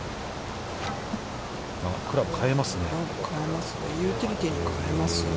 クラブをかえますね。